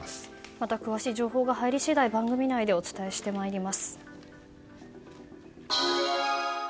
また詳しい情報が入り次第番組内でお伝えしてまいります。